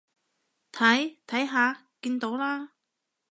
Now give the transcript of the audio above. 睇，睇下，見到啦？